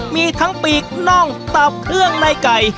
มีทั้งปีกน่องตับเครื่องในไก่